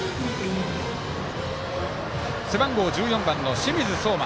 背番号１４番、清水蒼天。